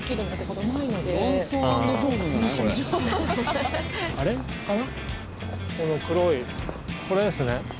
この黒いこれですね。